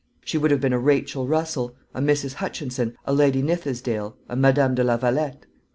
She would have been a Rachel Russell, a Mrs. Hutchinson, a Lady Nithisdale, a Madame de Lavalette.